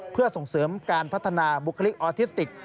เพื่อส่งเสริมการพัฒนาบุคลิกออทิสติก